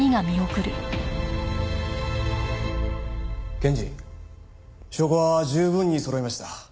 検事証拠は十分に揃いました。